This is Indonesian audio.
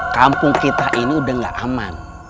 kampung kita ini udah gak aman